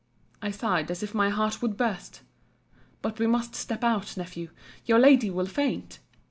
I sighed as if my heart would burst. But we must step out, Nephew: your lady will faint.